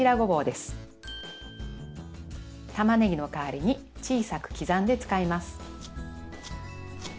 たまねぎの代わりに小さく刻んで使います。